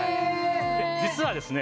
実はですね